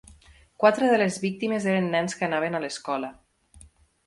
Quatre de les víctimes eren nens que anaven a l'escola.